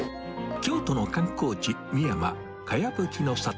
京都の観光地、美山かやぶきの里。